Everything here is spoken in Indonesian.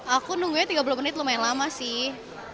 aku nunggunya tiga puluh menit lumayan lama sih